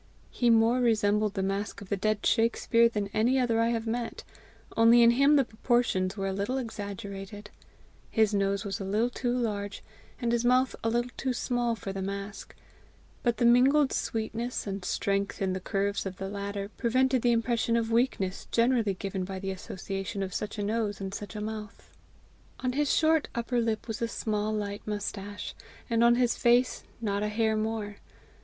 He more resembled the mask of the dead Shakspere than any other I have met, only in him the proportions were a little exaggerated; his nose was a little too large, and his mouth a little too small for the mask; but the mingled sweetness and strength in the curves of the latter prevented the impression of weakness generally given by the association of such a nose and such a mouth. On his short upper lip was a small light moustache, and on his face not a hair more.